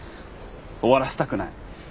終わらせたくない。